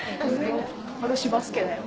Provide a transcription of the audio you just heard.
私バスケだよ。